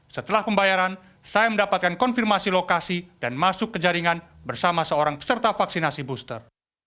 setelah pembayaran saya mendapatkan konfirmasi lokasi dan masuk ke jaringan bersama seorang peserta vaksinasi booster